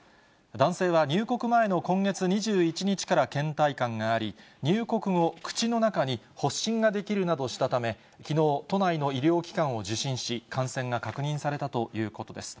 男性は入国前の今月２１日からけん怠感があり、入国後、口の中に発疹が出来るなどしたため、きのう、都内の医療機関を受診し、感染が確認されたということです。